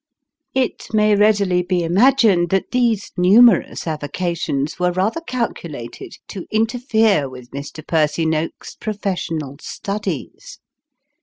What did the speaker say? " It may readily be imagined that these numerous avocations were rather calculated to interfere with Mr. Percy Noakes's professional studies.